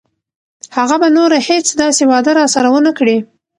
هغه به نوره هیڅ داسې وعده راسره ونه کړي.